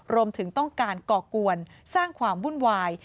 รวมถึงต้องการก่อกวนสร้างความวุ่นวาย